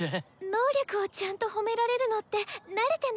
能力をちゃんと褒められるのって慣れてないから。